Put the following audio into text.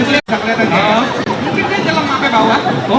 mungkin dia jeleng sampe bawah